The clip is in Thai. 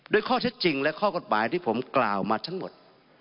ด้วยข้อเท็จจริงและข้อกฎหมายที่ผมกล่าวมาทั้งหมด